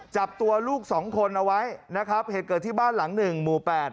จับตัวลูกสองคนเอาไว้นะครับเหตุเกิดที่บ้านหลังหนึ่งหมู่แปด